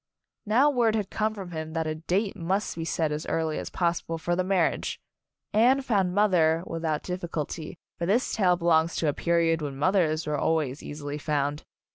Now word An Announcement Party had come from him that a date must be set as early as possible for the marriage. Anne found "Mother" without diffi culty, for this tale belongs to a period when mothers were always easily found.